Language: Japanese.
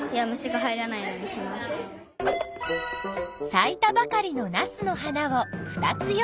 さいたばかりのナスの花を２つ用意。